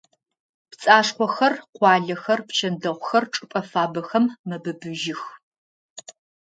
Пцӏашхъохэр, къуалэхэр, пчэндэхъухэр чӏыпӏэ фабэхэм мэбыбыжьых.